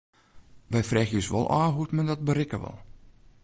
We freegje ús wol ôf hoe't men dat berikke wol.